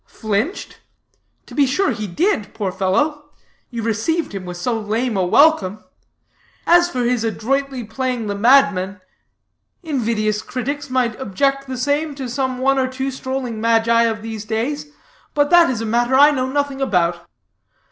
Flinched? to be sure he did, poor fellow; you received him with so lame a welcome. As for his adroitly playing the madman, invidious critics might object the same to some one or two strolling magi of these days. But that is a matter I know nothing about.